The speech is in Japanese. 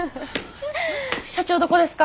社長どこですか？